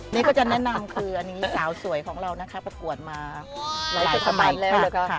นี่ก็จะแนะนำคืออันนี้สาวสวยของเรานะคะประกวดมาหลายสมัยแล้ว